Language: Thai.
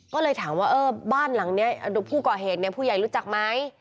ก็เลยถามว่าเออบ้านหลังนี้ผู้ก่อเหตุเนี่ยผู้ใหญ่รู้จักไหม